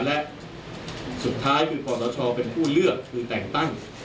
และสุดท้ายคือขอสชเป็นผู้เลือกคือแต่งตั้ง